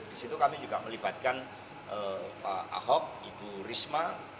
di situ kami juga melibatkan pak ahok ibu risma